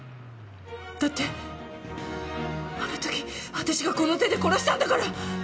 だってあのとき私がこの手で殺したんだから！